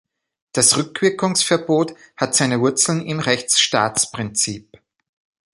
Das Rückwirkungsverbot hat seine Wurzeln im Rechtsstaatsprinzip.